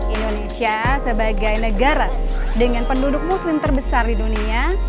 indonesia sebagai negara dengan penduduk muslim terbesar di dunia